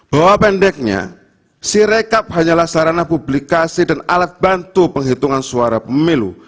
bahwa pendeknya sirekap hanyalah sarana publikasi dan alat bantu penghitungan suara pemilu